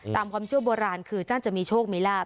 ตามความเชื่อโบราณคือท่านจะมีโชคมีลาบ